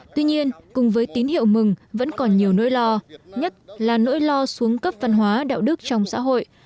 tuy nhiên cùng với tín hiệu mừng vẫn còn nhiều nỗi lo nhất là nỗi lo xuống cấp văn hóa đạo đức trong xã hội